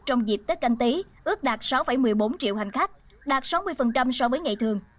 trong dịp tết canh tí ước đạt sáu một mươi bốn triệu hành khách đạt sáu mươi so với ngày thường